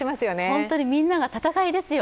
本当にみんなが戦いですよ。